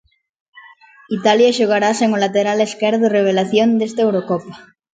Italia xogará sen o lateral esquerdo revelación desta Eurocopa.